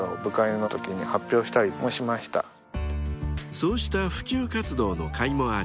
［そうした普及活動のかいもあり